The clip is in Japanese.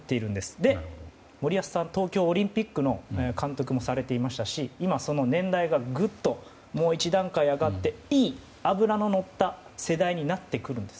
で、森保さんは東京オリンピックの監督もされていましたし今、年代がぐっともう１段階上がって脂ののった世代になってくるんです。